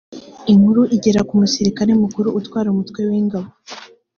inkuru igera ku musirikare mukuru utwara umutwe w’ingabo